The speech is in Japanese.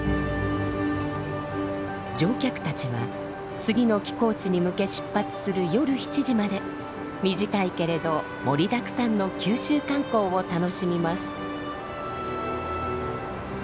乗客たちは次の寄港地に向け出発する夜７時まで短いけれど盛りだくさんの九州観光を楽しみます。